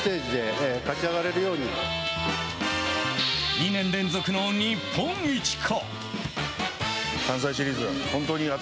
２年連続の日本一か。